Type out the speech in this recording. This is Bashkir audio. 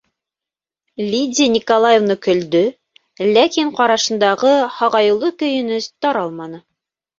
Лидия Николаевна көлдө, ләкин ҡарашындағы һағайыулы көйөнөс таралманы.